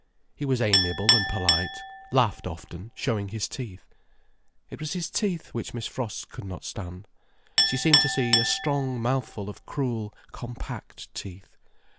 He was amiable and polite, laughed often, showing his teeth. It was his teeth which Miss Frost could not stand. She seemed to see a strong mouthful of cruel, compact teeth.